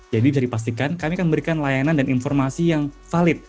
jadi bisa dipastikan kami akan memberikan layanan dan informasi yang valid